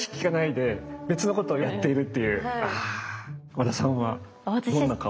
和田さんはどんな顔して？